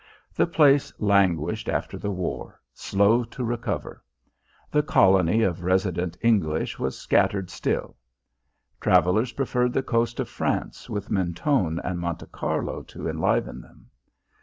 The place languished after the war, slow to recover; the colony of resident English was scattered still; travellers preferred the coast of France with Mentone and Monte Carlo to enliven them.